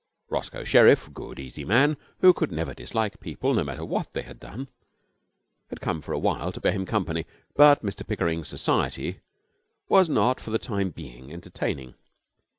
Roscoe Sherriff, good, easy man, who could never dislike people, no matter what they had done, had come for a while to bear him company; but Mr Pickering's society was not for the time being entertaining.